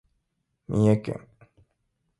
三重県